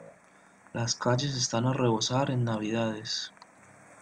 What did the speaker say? Las calles están a rebosar en navidades.